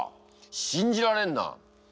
信じられんな。